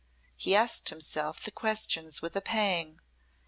He asked himself the questions with a pang.